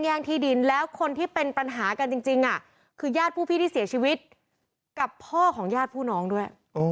ญาติผู้พี่ที่เสียชีวิตกับพ่อของญาติผู้น้องด้วย